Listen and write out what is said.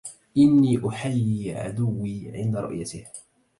إني أحيي عدوي عند رؤيتـه